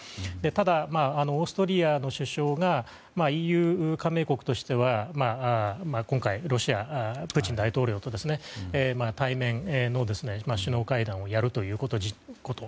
ただ、オーストリアの首相がＥＵ加盟国としては今回、プーチン大統領と対面の首脳会談をやるということ。